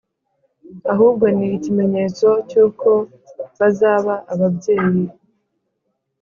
Ahubwo ni ikimenyetso cy’uko bazaba ababyeyi